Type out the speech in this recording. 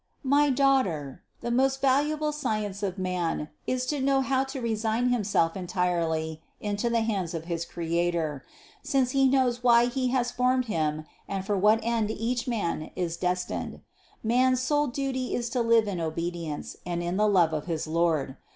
725. My daughter, the most valuable science of man is to know how to resign himself entirely into the hands of his Creator, since He knows why he has formed him and for what end each man is destined. Man's sole duty is to live in obedience and in the love of his Lord.